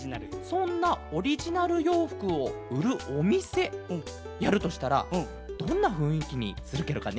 そんなオリジナルようふくをうるおみせやるとしたらどんなふんいきにするケロかね？